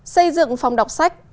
xây dựng phòng đọc sách